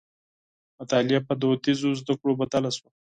مطالعه په دودیزو زدکړو بدله شوه.